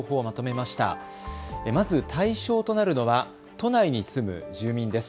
まず対象となるのは都内に住む住民です。